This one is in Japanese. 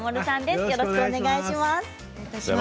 よろしくお願いします。